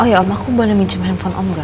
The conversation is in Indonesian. oh ya om aku boleh minjem handphone om nggak